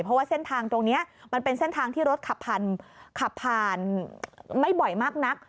เพราะว่าเส้นทางตรงนี้มันเป็นเส้นทางที่รถขับผ่านไม่บ่อยมากนัก